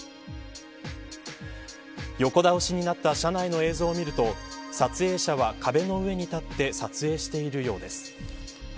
横倒しになった車内の映像を見ると撮影者は壁の上に立って撮影しているようです。